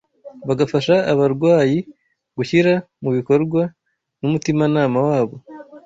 bagafasha abarwayi gushyira mu bikorwa n’umutimanama wabo